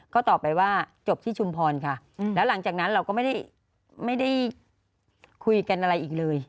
ก็ตอบไปว่าจบที่ชุมพรค่ะแล้วหลังจากนั้นเราก็ไม่ได้คุยกันอะไรอีกเลย